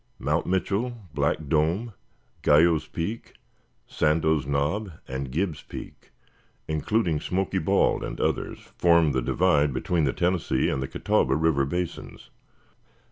"Mount Mitchell, Black Dome, Guyot's Peak, Sandoz Knob and Gibbe's Peak, including Smoky Bald and others, form the divide between the Tennessee and Catawba River basins.